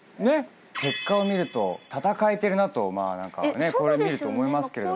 結果を見ると戦えてるなとこれを見ると思いますけれど。